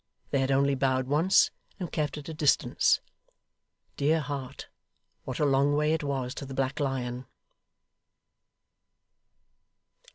They had only bowed once, and kept at a distance. Dear heart! what a long way it was to the Black Lion!